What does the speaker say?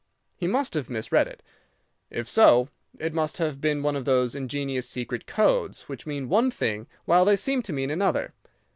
He must have misread it. If so, it must have been one of those ingenious secret codes which mean one thing while they seem to mean another.